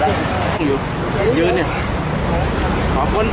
ต้องยืนอยู่นานขึ้น